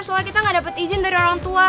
soalnya kita gak dapet izin dari orang tua